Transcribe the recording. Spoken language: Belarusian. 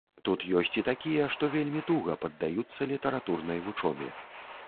Тут ёсць і такія, што вельмі туга паддаюцца літаратурнай вучобе.